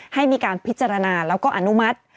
ให้มีการพิจารณาแล้วก็อนุมัติ